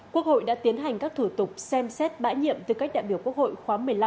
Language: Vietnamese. quốc hội đã tiến hành các thủ tục xem xét bãi nhiệm từ các đại biểu quốc hội khoá một mươi năm